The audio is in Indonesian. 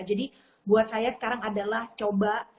jadi buat saya sekarang adalah coba